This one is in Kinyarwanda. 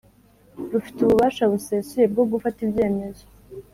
Rufite ububasha busesuye bwo gufata ibyemezo